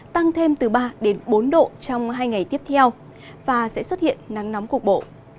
tăng thêm từ ba đến bốn độ trong hai ngày tiếp theo và sẽ xuất hiện nắng nóng cục bộ